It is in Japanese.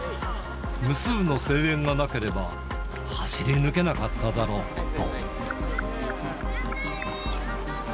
無数の声援がなければ、走り抜けなかっただろうと。